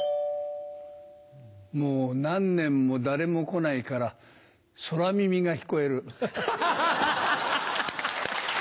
もう何年も誰も来ないから空耳が聞こえる。